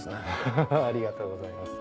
ハハハありがとうございます。